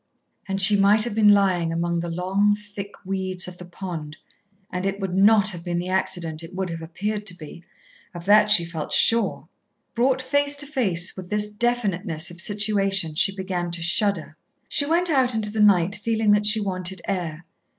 And she might have been lying among the long, thick weeds of the pond. And it would not have been the accident it would have appeared to be. Of that she felt sure. Brought face to face with this definiteness of situation, she began to shudder. She went out into the night feeling that she wanted air.